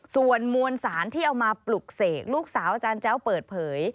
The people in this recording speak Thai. ส่วนมวลสารที่เอามาปลุกเสกลูกสาวอาจารย์แจ้วเปิดเผย